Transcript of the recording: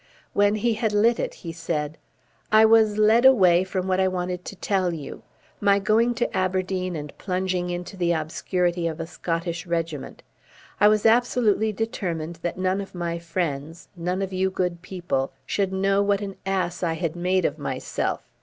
When he had lit it he said: "I was led away from what I wanted to tell you, my going to Aberdeen and plunging into the obscurity of a Scottish regiment. I was absolutely determined that none of my friends, none of you good people, should know what an ass I had made of myself.